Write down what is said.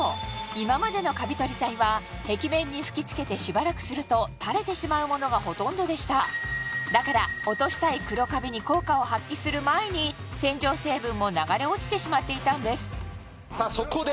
今までのカビ取り剤は壁面に吹き付けてしばらくすると垂れてしまうものがほとんどでしただから落としたい黒カビに効果を発揮する前に洗浄成分も流れ落ちてしまっていたんですさぁそこで！